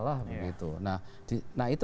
nah itu benar